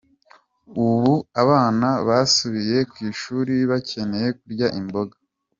Ubu abana basubiye ku ishuri bakeneye kurya imboga .